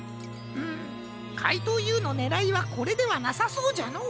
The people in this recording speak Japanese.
んかいとうＵのねらいはこれではなさそうじゃのう。